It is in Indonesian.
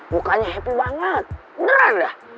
bukannya happy banget beneran dah